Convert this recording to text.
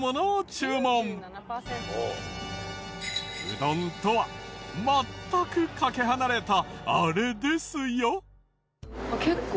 うどんとは全くかけ離れたあれですよ。